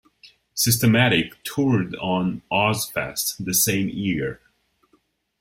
Systematic toured on Ozzfest the same year.